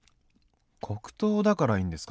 黒糖だからいいんですかね？